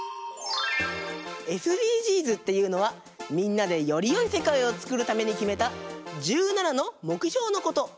ＳＤＧｓっていうのはみんなでよりよいせかいをつくるためにきめた１７のもくひょうのこと。